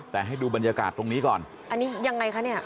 แต่ให้ดูบรรยากาศตรงนี้ก่อนอันนี้ยังไงคะเนี่ย